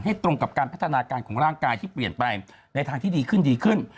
ตรงกับการพัฒนาการของร่างกายที่เปลี่ยนไปในทางที่ดีขึ้นดีขึ้น